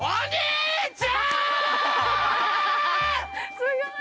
すごい！